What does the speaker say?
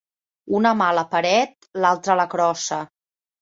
Una mà a la paret, l'altra a la crossa.